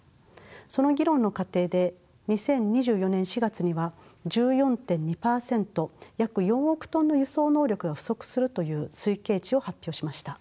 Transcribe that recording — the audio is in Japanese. その議論の過程で２０２４年４月には１４．２％約４億トンの輸送能力が不足するという推計値を発表しました。